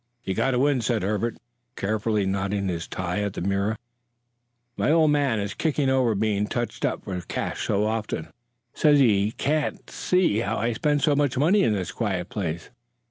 "You've got to win," said Herbert, carefully knotting his tie at the mirror. "My old man is kicking over being touched up for cash so often; says he can't see how I spend so much in this quiet place.